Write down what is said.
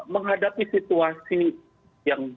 menghadapi situasi yang terjadi